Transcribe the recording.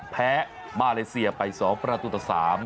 แพ้มาเลเซียไปสองประตูตัวสาม